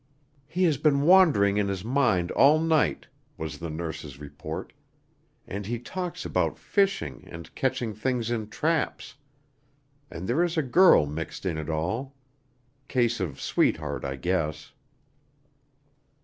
"He has been wandering in his mind all night," was the nurse's report, "and he talks about fishing and catching things in traps, and there is a girl mixed in it all. Case of sweetheart, I guess."